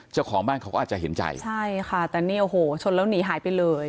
เจ้าของบ้านเขาก็อาจจะเห็นใจใช่ค่ะแต่เนี่ยโอ้โหชนแล้วหนีหายไปเลย